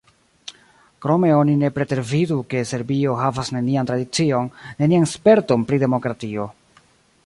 Krome oni ne pretervidu, ke Serbio havas nenian tradicion, nenian sperton pri demokratio.